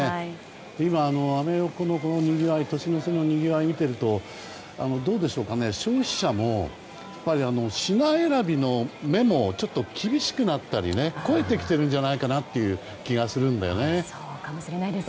今、アメ横の年の瀬のにぎわいを見ていると消費者の品選びの目も厳しくなったり肥えてきているんじゃないかなという気がするんだよね。